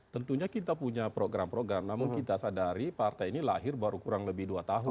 tentunya kita punya program program namun kita sadari partai ini lahir baru kurang lebih dua tahun